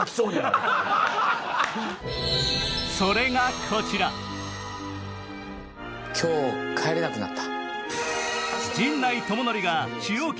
それがこちら今日帰れなくなった。